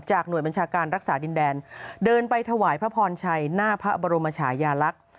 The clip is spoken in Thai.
หน่วยบัญชาการรักษาดินแดนเดินไปถวายพระพรชัยหน้าพระบรมชายาลักษณ์